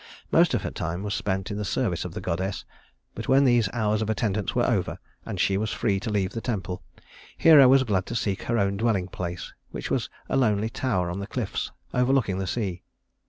Most of her time was spent in the service of the goddess; but when these hours of attendance were over, and she was free to leave the temple, Hero was glad to seek her own dwelling place, which was a lonely tower on the cliffs overlooking the sea.